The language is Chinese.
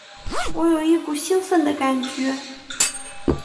我有一股兴奋的感觉